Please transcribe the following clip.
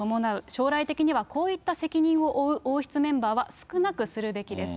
将来的にはこういった責任を負う、王室メンバーは少なくするべきです。